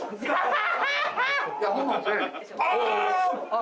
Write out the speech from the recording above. あ！